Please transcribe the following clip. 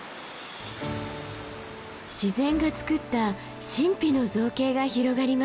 自然がつくった神秘の造形が広がります。